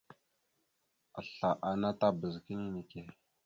Asla ana tabaz kini neke.